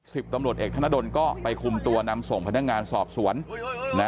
สิบตำรวจเอกธนดลก็ไปคุมตัวนำส่งพนักงานสอบสวนนะ